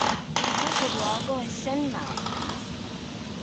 Il capoluogo è Saint-Marc.